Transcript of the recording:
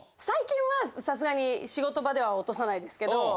最近はさすがに仕事場では落とさないですけど。